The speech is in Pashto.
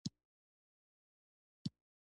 په هند کې د برټانیې ګټو ته خطر پېښ کړي.